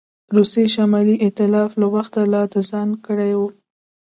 روسیې شمالي ایتلاف له وخته لا د ځان کړی وو.